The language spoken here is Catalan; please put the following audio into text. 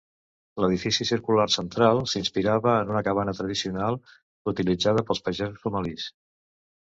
L'edifici circular central s'inspirava en una cabana tradicional utilitzada pels pagesos Somalis.